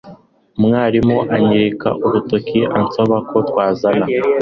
umwarimu anyereka urutoki ansaba ko twazana